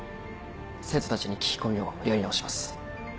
生徒たちに聞き込みをやり直します。